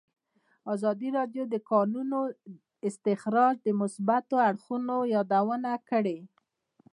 ازادي راډیو د د کانونو استخراج د مثبتو اړخونو یادونه کړې.